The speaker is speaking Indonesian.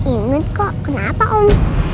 ingat kok kenapa om